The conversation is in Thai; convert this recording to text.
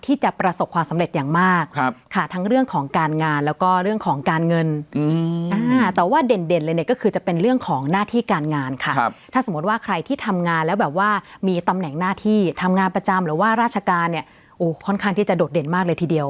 ทำงานประจำหรือว่าราชการเนี้ยโอ้ค่อนข้างที่จะโดดเด่นมากเลยทีเดียว